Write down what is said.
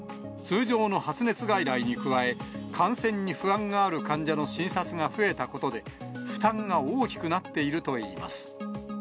通常の発熱外来に加え、感染に不安がある患者の診察が増えたことで、負担が大きくなっているといいます。